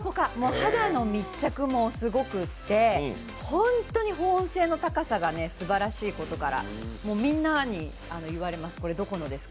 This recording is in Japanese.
肌の密着もすごくて本当に保温性の高さがすばらしいことからみんなに言われます、これ、どこのですか？